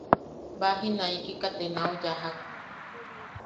Baji, naikika te nau yajak.